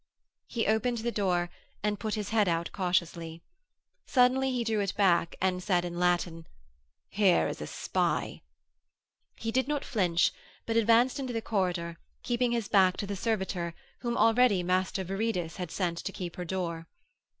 He opened the door and put his head out cautiously. Suddenly he drew it back and said in Latin, 'Here is a spy.' He did not flinch, but advanced into the corridor, keeping his back to the servitor whom already Master Viridus had sent to keep her door.